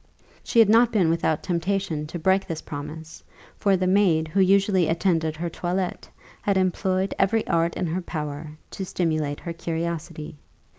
She had not been without temptation to break this promise; for the maid who usually attended her toilette had employed every art in her power to stimulate her curiosity.